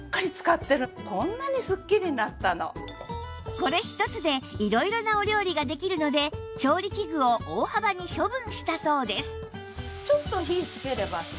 これ１つで色々なお料理ができるので調理器具を大幅に処分したそうです